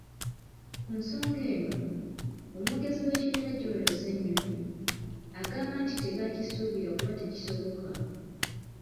Ku nsonga eno, omwogezi w'ekibiina Joel Ssennyonyi, agamba nti tebakisuubira kuba tekisoboka.